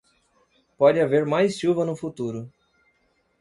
Pode haver mais chuva no futuro.